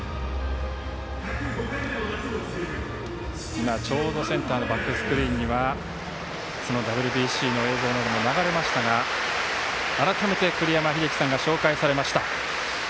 今、ちょうどセンターのバックスクリーンにはそのＷＢＣの映像も流れましたが改めて栗山英樹さんが紹介されました。